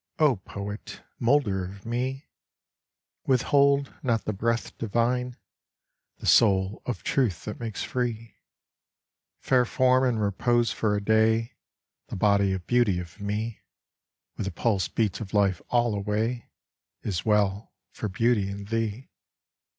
O poet, moulder of me, Withhold not the breath divine, The soul of truth that makes free. Fair form in repose for a day (The body of beauty of me) With the pulse beats of life all away, Is well, for beauty and thee.